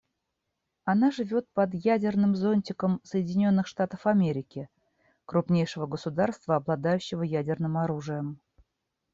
Она живет под «ядерным зонтиком» Соединенных Штатов Америки, крупнейшего государства, обладающего ядерным оружием.